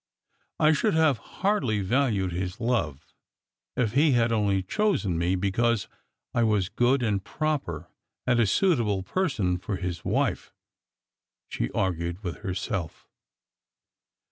I should have hardly valued his love if he had only chosen me because I was good and proper, and a suitable person for his wife," she argued with herself.